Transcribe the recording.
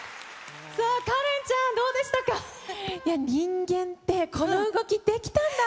さあ、カレンちゃん、どうでした人間って、この動きできたんだ！